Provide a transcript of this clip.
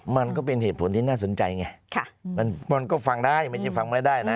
มันก็เป็นเหตุผลที่น่าสนใจไงมันก็ฟังได้ไม่ใช่ฟังไม่ได้นะ